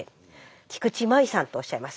菊池真衣さんとおっしゃいます。